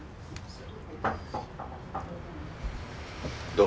どう？